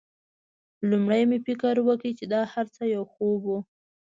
لومړی مې فکر وکړ چې دا هرڅه یو خوب و